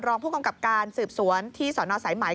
รองผู้กำกับการสืบสวนที่สอนอาวุษัยสายหมาย